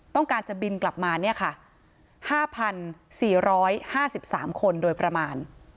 ต้องการจะบินกลับมาเนี่ยค่ะ๕๔๕๓คนโดยประมาณ